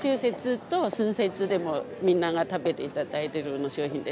と春節でも、みんなが食べていただいている商品です。